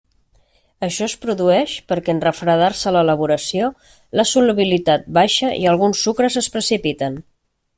Això es produeix, perquè en refredar-se l’elaboració, la solubilitat baixa i alguns sucres es precipiten.